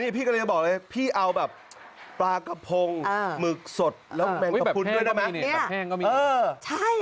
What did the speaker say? พี่ก็เลยจะบอกเลยพี่เอาแบบปลากะพงหมึกสดแล้วแม่งกระพุนแพงก็มี